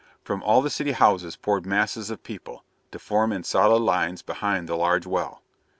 From all the city houses poured masses of people, to form in solid lines behind the large well.